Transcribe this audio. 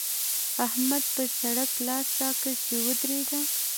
احمد پر سړک لاس راکړ چې ودرېږه!